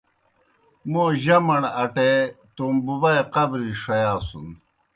موں جمݨ اٹے توموْ بُبائے قبرِجیْ ݜیاسُن۔